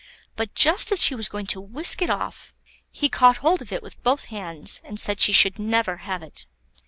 But just as she was going to whisk it off, he caught hold of it with both hands, and said she should never have it.